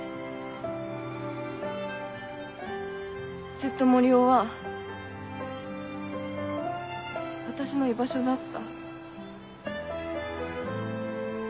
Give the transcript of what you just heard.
ずっと森生は私の居場所だった。